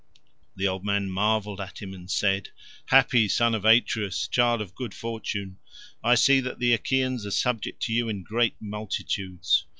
The old man marvelled at him and said, "Happy son of Atreus, child of good fortune. I see that the Achaeans are subject to you in great multitudes.